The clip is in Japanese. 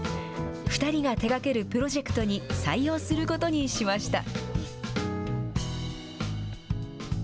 ２人が手掛けるプロジェクトに採用することにしました。